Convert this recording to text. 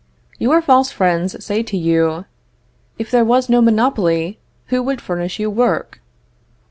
Your false friends say to you: If there was no monopoly, who would furnish you work?